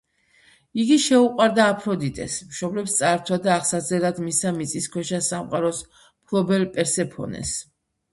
იგი შეუყვარდა აფროდიტეს, მშობლებს წაართვა და აღსაზრდელად მისცა მიწისქვეშა სამყაროს მფლობელ პერსეფონეს.